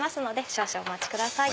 少々お待ちください。